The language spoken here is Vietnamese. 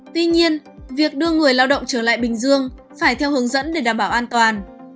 tuy nhiên việc đưa người lao động trở lại bình dương phải theo hướng dẫn để đảm bảo an toàn